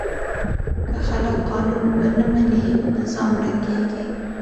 که خلک قانون ونه مني، نظام ړنګېږي.